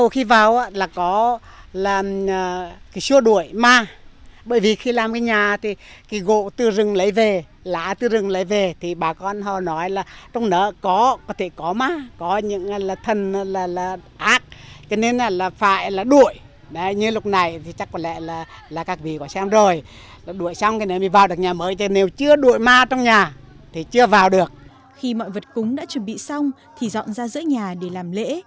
khi mọi vật cúng đã chuẩn bị xong thì dọn ra giữa nhà để làm lễ